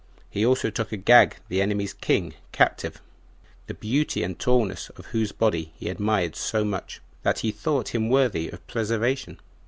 He also took Agag, the enemies' king, captive, the beauty and tallness of whose body he admired so much, that he thought him worthy of preservation.